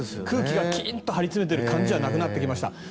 空気がキンと張りつめている感じはなくなりました。